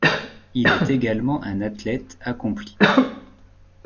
Il est également un athlète accompli.